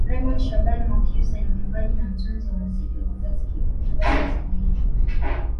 Raymond Shaban Mwakyusa ni mwimbaji na mtunzi wa muziki wa kizazi kipya kutoka Tanzania